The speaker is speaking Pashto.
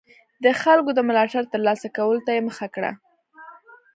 د خلکو د ملاتړ ترلاسه کولو ته یې مخه کړه.